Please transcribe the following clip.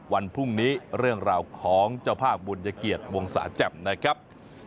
วันพรุ่งนี้เรื่องราวของเจ้าภาพบุญเกียรติวงศาแจ่มนะครับ